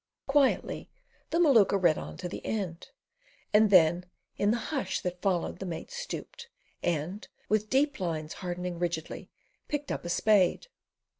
Quietly the Maluka read on to the end; and then in the hush that followed the mate stooped, and, with deep lines hardening rigidly, picked up a spade.